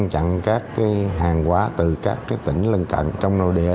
chặn các hàng hóa từ các tỉnh lân cận trong nội địa